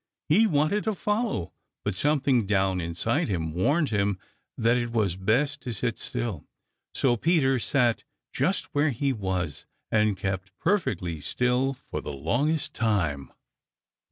He wanted to follow, but something down inside him warned him that It was best to sit still. So Peter sat just where he was and kept perfectly still for the longest time.